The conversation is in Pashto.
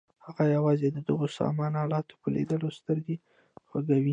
هغه یوازې د دغو سامان الاتو په لیدلو سترګې خوږوي.